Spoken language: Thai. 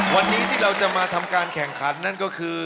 วันนี้ที่เราจะมาทำการแข่งขันนั่นก็คือ